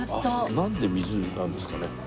なんで水なんですかね？